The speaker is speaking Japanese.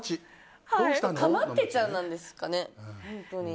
かまってちゃんなんですかね。